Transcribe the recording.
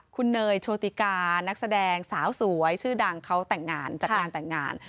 คุณเนยโชติกานักแสดงสาวสวยชื่อดังเขาแต่งงานจัดงานแต่งงาน